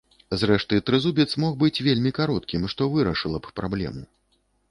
Зрэшты, трызубец мог быць вельмі кароткім, што вырашыла б праблему.